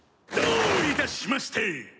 どういたしまして！